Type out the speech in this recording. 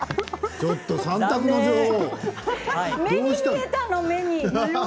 ちょっと３択の女王